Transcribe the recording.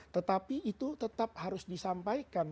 tetapi itu tetap harus disampaikan